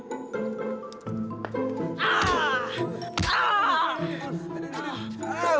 oh kok kalian ada di sini sih